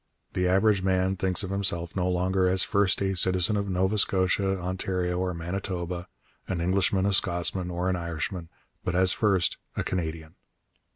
The average man thinks of himself no longer as first a citizen of Nova Scotia, Ontario, or Manitoba, an Englishman, a Scotsman, or an Irishman, but as first a Canadian.